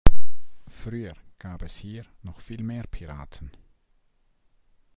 Früher gab es hier noch viel mehr Piraten.